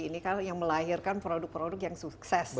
ini kan yang melahirkan produk produk yang sukses